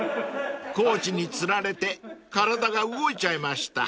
［コーチにつられて体が動いちゃいました］